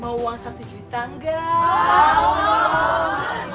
mau uang satu juta enggak